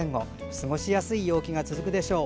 過ごしやすい陽気が続くでしょう。